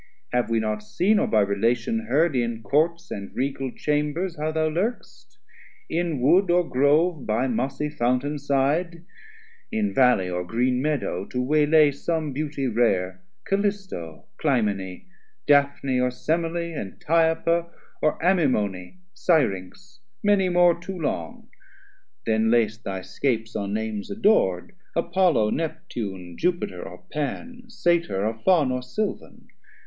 Have we not seen, or by relation heard, In Courts and Regal Chambers how thou lurk'st, In Wood or Grove by mossie Fountain side, In Valley or Green Meadow to way lay Some beauty rare, Calisto, Clymene, Daphne, or Semele, Antiopa, Or Amymone, Syrinx, many more Too long, then lay'st thy scapes on names ador'd, Apollo, Neptune, Jupiter, or Pan, 190 Satyr, or Fawn, or Silvan?